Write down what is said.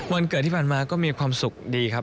วันเกิดที่ผ่านมาก็มีความสุขดีครับ